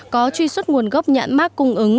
có truy xuất nguồn gốc nhãn mát cung ứng